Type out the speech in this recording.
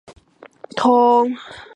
决不能搞任何变通